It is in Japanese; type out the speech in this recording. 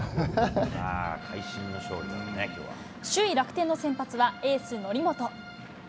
首位楽天の先発は、エース、則本。